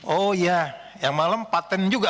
oh ya yang malem patent juga